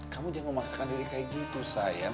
kamu jangan memaksakan diri kaya gitu sayang